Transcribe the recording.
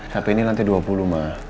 tapi ini lantai dua puluh mbak